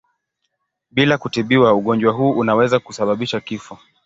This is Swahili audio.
Bila kutibiwa ugonjwa huu unaweza kusababisha kifo.